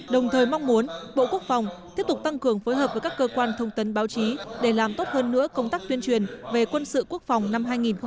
đồng thời mong muốn bộ quốc phòng tiếp tục tăng cường phối hợp với các cơ quan thông tấn báo chí để làm tốt hơn nữa công tác tuyên truyền về quân sự quốc phòng năm hai nghìn một mươi chín